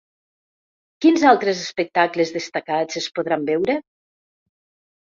Quins altres espectacles destacats es podran veure?